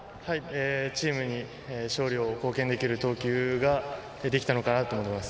チームに勝利を貢献できる投球ができたかなと思います。